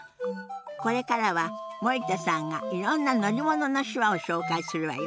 これからは森田さんがいろんな乗り物の手話を紹介するわよ。